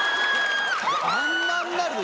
あんなになるの？